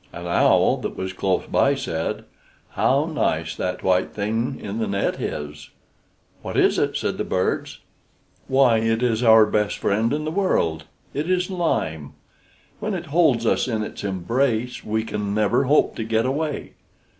An owl that was close by said, "How nice that white thing in the net is!" "What is it?" said the birds. "Why, it is our best friend in the world; it is lime. When it holds us in its embrace, we can never hope to get away."